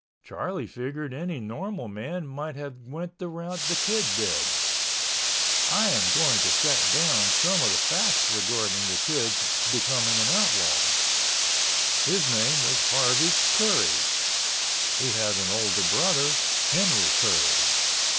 Charlie figured any normal man might have went the route the Kid did. I am going to set down some of the facts regarding the Kid's becoming an outlaw. His name was Harvey Curry. He had an older brother, Henry Curry.